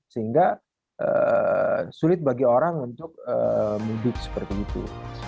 sehingga sulit bagi orang untuk mudik seperti itu